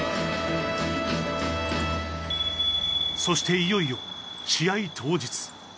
そしていよいよ試合当日。